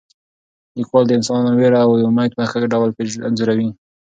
لیکوال د انسانانو ویره او امید په ښه ډول انځوروي.